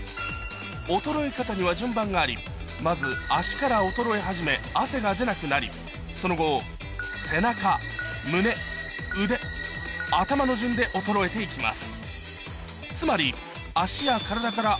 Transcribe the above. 衰え方には順番がありまず脚から衰え始め汗が出なくなりその後の順で衰えていきます